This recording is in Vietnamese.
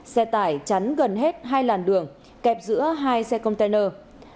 xe tải chắn gần hết hai làn đường kẹp giữa hai xe container